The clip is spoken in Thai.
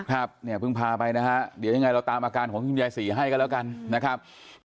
ครับเนี่ยเพิ่งพาไปนะฮะเดี๋ยวยังไงเราตามอาการของคุณยายศรีให้กันแล้วกันนะครับ